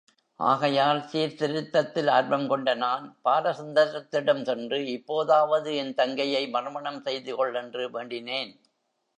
ஆகையால் சீர்திருத்தத்தில் ஆர்வம் கொண்ட நான், பாலசுந்தரத்திடம் சென்று இப்போதாவது என் தங்கையை மறுமணம் செய்துகொள் என்று வேண்டினேன்.